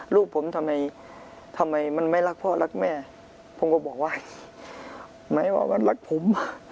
ลูกผมทำไมทำไมมันไม่รักพ่อรักแม่ผมก็บอกว่าไหมว่ามันรักผม